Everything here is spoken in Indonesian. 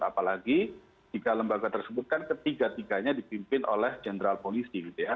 apalagi tiga lembaga tersebut kan ketiga tiganya dipimpin oleh jenderal polisi gitu ya